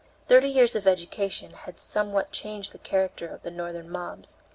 Thirty years of education had somewhat changed the character of Northern mobs.